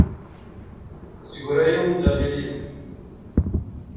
Tessegra-yawen-d aɣilif.